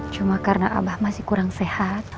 cuma karena abah masih kurang sehat